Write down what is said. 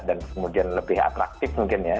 dan kemudian lebih atraktif mungkin ya